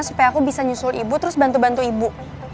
supaya aku bisa nyusul ibu terus bantu bantu ibu